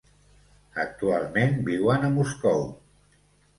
Actualment viuen a Moscou.